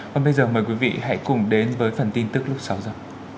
còn bây giờ mời quý vị hãy cùng đến với phần tin tức lúc sáu giờ